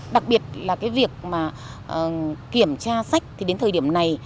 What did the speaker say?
đặc biệt là việc kiểm tra sách thì đến thời điểm này